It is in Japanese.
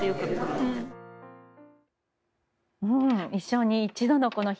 一生に一度のこの日。